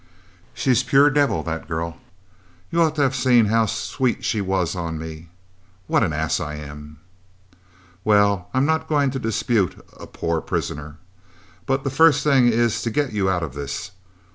She's pure devil, that girl. You ought to have seen how sweet she was on me; what an ass I am." "Well, I'm not going to dispute a poor prisoner. But the first thing is to get you out of this.